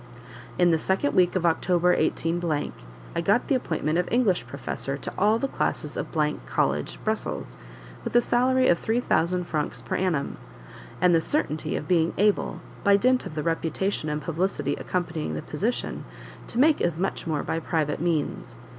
In the second week of October, 18 , I got the appointment of English professor to all the classes of College, Brussels, with a salary of three thousand francs per annum; and the certainty of being able, by dint of the reputation and publicity accompanying the position, to make as much more by private means.